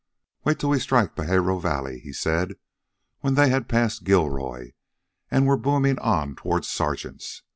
"Wait till we strike Pajaro Valley," he said, when they had passed Gilroy and were booming on toward Sargent's.